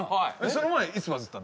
その前いつバズった？